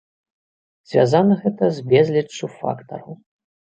Звязана гэта з безліччу фактараў.